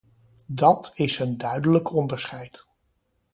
Dat is een duidelijk onderscheid.